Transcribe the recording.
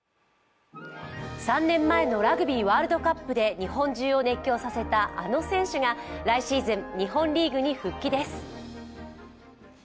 ３年前のラグビーワールドカップで日本中を熱狂させたあの選手が来シーズン、日本リーグに復帰です